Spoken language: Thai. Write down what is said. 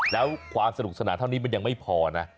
แล้วความสนุกสนานเท่านี้มันยังไม่พอนะ